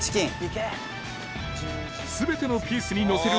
全てのピースにのせる